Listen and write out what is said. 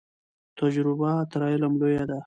تجربه تر علم لویه ده.